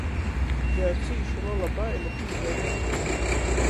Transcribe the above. Jai cīši lela baile pīdzeivuot trešū.